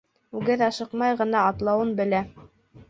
Үгеҙ ашыҡмай ғына атлауын белә.